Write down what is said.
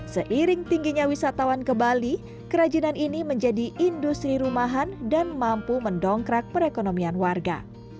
seiring tingginya wisatawan ke bali kerajinan ini menjadi industri rumahan dan mampu mendongkrak perekonomian warga